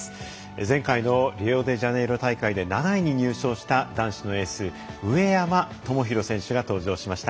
前回のリオデジャネイロ大会で７位に入賞した男子のエース上山友裕選手が登場しました。